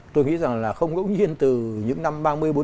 tôi nghĩ rằng là không gỗ nhiên từ những năm ba mươi bốn mươi năm